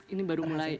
ini baru mulai